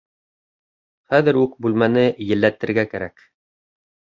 Хәҙер үк бүлмәне елләтергә кәрәк